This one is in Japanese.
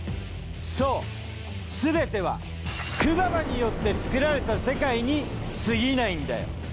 そうすべてはクババによって作られた世界にすぎないんだよ。